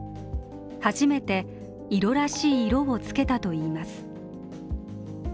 初めて、色らしい色をつけたといいます。